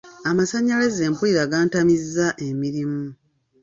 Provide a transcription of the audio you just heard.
Amasannyalaze mpulira gantamizza emirimu.